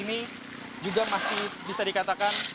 ini juga masih bisa dikatakan